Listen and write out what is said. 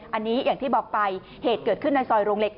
อันนี้อย่างที่บอกไปเหตุเกิดขึ้นในซอยโรงเหล็ก